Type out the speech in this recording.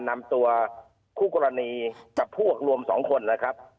นำตัวคู่กรณีกับพวกรวม๒คนนะครับ